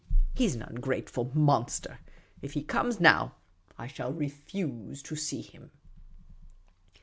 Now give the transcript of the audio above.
He 's an ungrateful monster ; if he comes now, I shall refuse to see him."